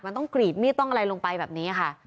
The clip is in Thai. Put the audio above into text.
มันต้องกรีดมีดต้องอะไรลงไปแบบนี้ค่ะ